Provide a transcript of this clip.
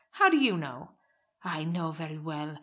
"How do you know?" "I know very well.